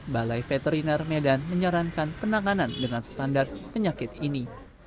balai veteriner medan menyarankan penanganan dengan standar penyakit ini